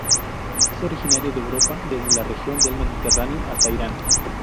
Es originario de Europa, desde la región del Mediterráneo hasta Irán.